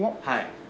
はい。